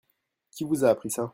Qui vous a appris ça ?